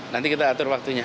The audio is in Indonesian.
nanti kita atur waktunya